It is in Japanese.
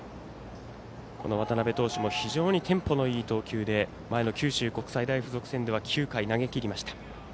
渡辺投手も非常にテンポのいい投球で投球で前の九州国際大付属戦では９回、投げきりました。